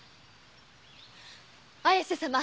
綾瀬様